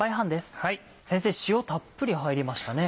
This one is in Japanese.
塩たっぷり入りましたね。